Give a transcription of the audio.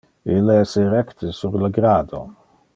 Ille es erecte sur le grado.